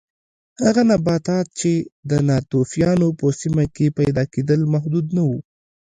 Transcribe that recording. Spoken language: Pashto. هغه نباتات چې د ناتوفیانو په سیمه کې پیدا کېدل محدود نه و